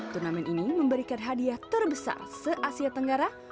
turnamen ini memberikan hadiah terbesar se asia tenggara